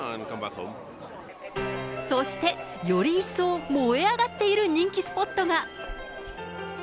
そして、より一層燃え上がっている人気スポットが。